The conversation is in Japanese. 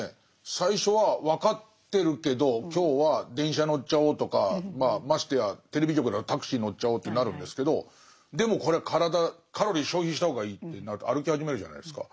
最初は分かってるけど今日は電車乗っちゃおうとかましてやテレビ局だとタクシー乗っちゃおうってなるんですけどでもこれは体カロリー消費した方がいいってなると歩き始めるじゃないですか。